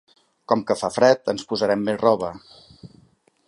Com que fa fred, ens posarem més roba.